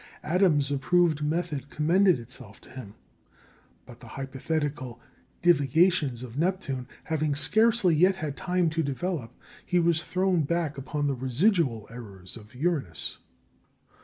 Adams's approved method commended itself to him; but the hypothetical divagations of Neptune having scarcely yet had time to develop, he was thrown back upon the "residual errors" of Uranus.